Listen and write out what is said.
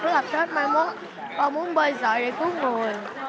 rất hợp sách mong muốn bơi sợi để cứu người